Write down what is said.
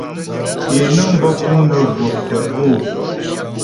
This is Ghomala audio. Ě nəŋ bə kùŋ nə jwɔ̀p tə’o.